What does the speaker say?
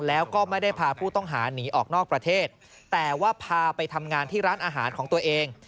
แล้วก็ไม่ได้พาผู้ต้องหาหนีออกนอกประเทศแต่ว่าพาไปทำงานที่ร้านอาหารของตัวเอง